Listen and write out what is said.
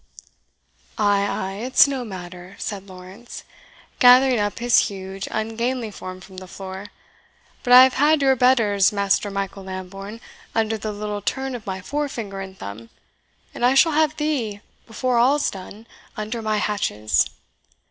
"Ay, ay! It's no matter," said Lawrence, gathering up his huge, ungainly form from the floor; "but I have had your betters, Master Michael Lambourne, under the little turn of my forefinger and thumb, and I shall have thee, before all's done, under my hatches.